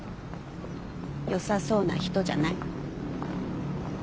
よさそうな人じゃない？